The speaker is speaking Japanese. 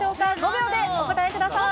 ５秒でお答えください。